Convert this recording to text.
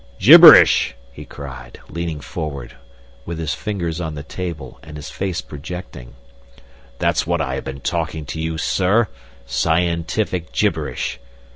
"Gibberish!" he cried, leaning forward, with his fingers on the table and his face projecting. "That's what I have been talking to you, sir scientific gibberish!